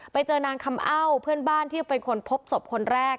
ไปเจอนางคำเอ้าเพื่อนบ้านที่เป็นคนพบศพคนแรก